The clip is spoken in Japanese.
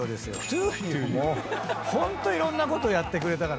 トゥーリオもホントいろんなことやってくれたからね。